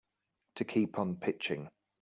To keep on pitching.